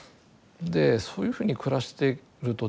そういうふうに暮らしてるとですよ